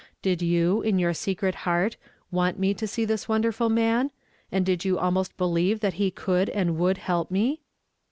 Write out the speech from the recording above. Did you, in your secret heart, want me to see this wonderful man, and did you almost believe that he could and Avould help me